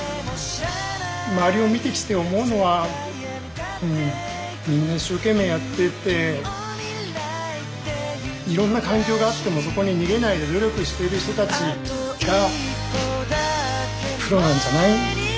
周りを見てきて思うのはみんな一生懸命やってていろんな環境があってもそこに逃げないで努力している人たちがプロなんじゃない？